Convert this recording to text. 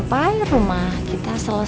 pindah ke sini